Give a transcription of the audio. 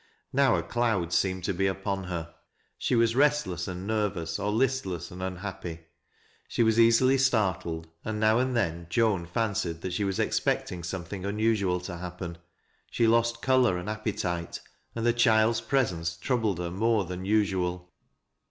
Now a cloud seemed to be upon her. She was restless and nervous, or hstlesa and unhappy. She was easily startled, and now and then Joan fancied that she w&s expecting something unusual to happen. She lost color and appetite, and the child's presence troubled her more than usual.